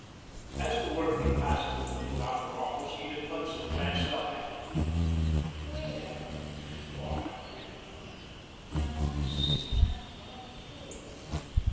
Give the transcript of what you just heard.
As the workman passed through the little outer office Edith Hudson glanced up at him. "Where," she thought after he had gone, "have I seen that fellow before?"